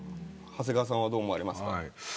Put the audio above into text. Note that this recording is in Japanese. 長谷川さんはどう思われますか。